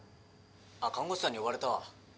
あっ看護師さんに呼ばれたわ。